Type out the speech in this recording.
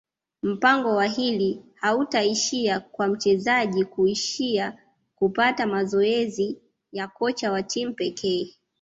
mpango wa hili hautaishia kwa mchezaji kuishia kupata mazoezi ya kocha wa timu pekee